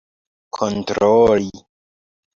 kontroli